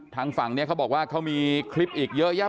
ทางฝั่งเนี่ยเขาบอกว่าเขามีคลิปอีกเยอะอย่างเงี้ย